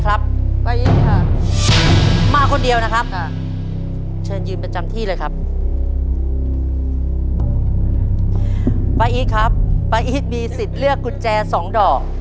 และกุญแจต่อชีวิต๒ดอก